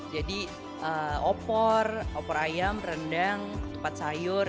jadi opor opor ayam rendang ketupat sayur